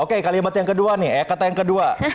oke kalimat yang kedua nih kata yang kedua